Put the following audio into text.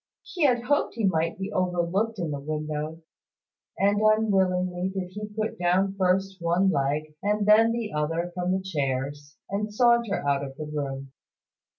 He had hoped he might be overlooked in the window; and unwillingly did he put down first one leg and then the other from the chairs, and saunter out of the room.